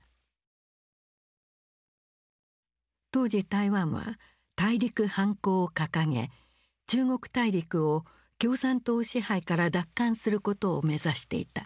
当時台湾は「大陸反攻」を掲げ中国大陸を共産党支配から奪還することを目指していた。